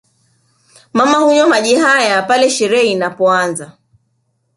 Mama hunywa maji haya pale sherehe inapoanza